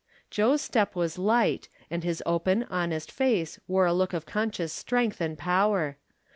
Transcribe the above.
Joe's step was light, and his open, honest face wore a look of conscious strength and power.